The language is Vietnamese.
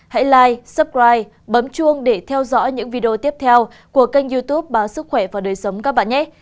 hãy live suppride bấm chuông để theo dõi những video tiếp theo của kênh youtube báo sức khỏe và đời sống các bạn nhé